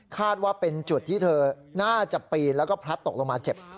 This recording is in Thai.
ว่าเป็นจุดที่เธอน่าจะปีนแล้วก็พลัดตกลงมาเจ็บ